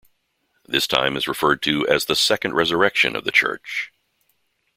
This time is referred to as the "second resurrection" of the church.